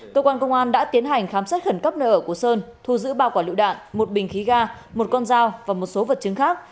cơ quan công an đã tiến hành khám xét khẩn cấp nơi ở của sơn thu giữ ba quả lựu đạn một bình khí ga một con dao và một số vật chứng khác